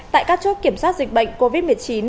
tại các chốt kiểm soát dịch bệnh covid một mươi chín